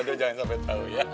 dado jangan sampe tau ya